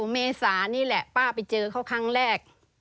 เมษานี่แหละป้าไปเจอเขาครั้งแรก